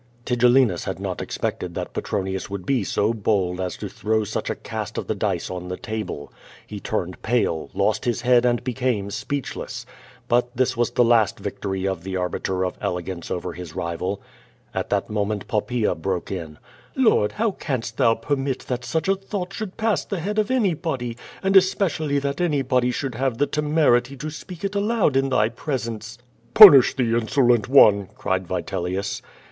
Tigellinus had not expected that Petronius would be so bold as to throw such a cast of the dice on the table. He turned pale, lost his head and became speechless. But this was the last victory of the Arbiter of Elegance over his rival. At that moment Poppaea broke in: "Lord, how canst thou permit that such a thought should jmss the head of anybody, and especially that anybody should have the temerity to S]»eak it aloud in thy presence?" "Punish the insolent one!" cried Vitelius.